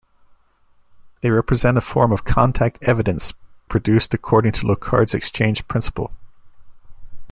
They represent a form of contact evidence produced according to Locard's exchange principle.